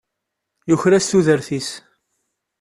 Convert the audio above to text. Yuker-as tudert-is.